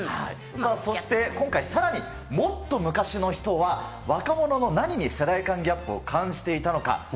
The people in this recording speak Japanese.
そして今回、さらにもっと昔の人は若者の何に世代間ギャップを感じていたのか。